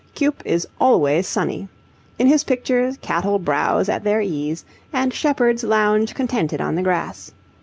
Cuyp is always sunny. In his pictures, cattle browse at their ease, and shepherds lounge contented on the grass.